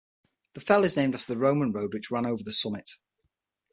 The fell is named after the Roman road which ran over the summit.